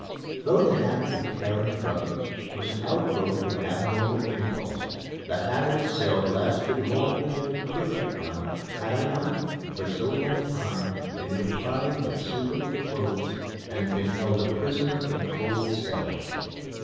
Though the habit of tearing druggets was the outgrowth of an abnormal impulse, the habit itself lasted longer than it could have done had I not, for so long a time, been deprived of suitable clothes and been held a prisoner in cold cells.